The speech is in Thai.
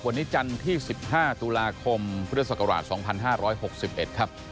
วันนี้จันที่๑๕ตุลาคมเพื่อสกราช๒๕๖๑ครับ